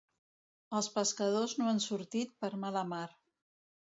Els pescadors no han sortit per mala mar.